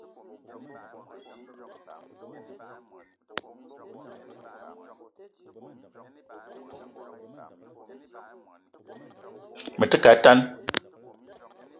Me te ke a tan